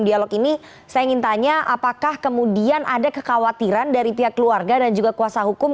dialog ini saya ingin tanya apakah kemudian ada kekhawatiran dari pihak keluarga dan juga kuasa hukum